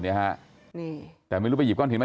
แต่ไม่รู้หรือไปหยิบก้อนหินมา